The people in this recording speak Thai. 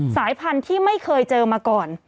สายพันธุ์ที่ไม่เคยเจอมาก่อน